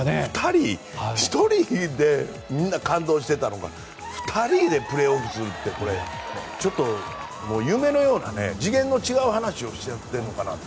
１人でみんな感動していたのが２人でプレーオフするってちょっと夢のような次元の違う話をしちゃってるのかなと。